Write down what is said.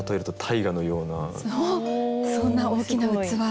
そんな大きな器。